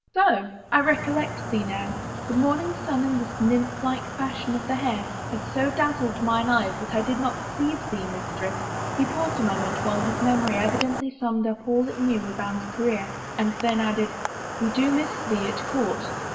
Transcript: So? ... I recollect thee, now. The morning sun and this nymph like fashion of the hair had so dazzled mine eyes that I did not well perceive thee, mistress." He paused a moment while his memory evidently summed up all it knew of Anne's career and then added, " We do miss thee at court."